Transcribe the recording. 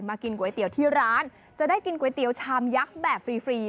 กินก๋วยเตี๋ยวที่ร้านจะได้กินก๋วยเตี๋ยวชามยักษ์แบบฟรี